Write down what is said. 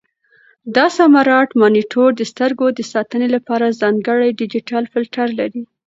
دا سمارټ مانیټور د سترګو د ساتنې لپاره ځانګړی ډیجیټل فلټر لري.